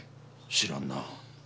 知らんなぁ。